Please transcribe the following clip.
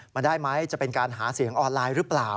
มันได้ไหมจะเป็นการหาเสียงออนไลน์หรือเปล่า